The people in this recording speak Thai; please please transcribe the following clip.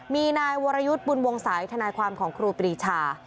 มีนายวรยุทธ์บุญวงศัยธนายความของครูปรีชา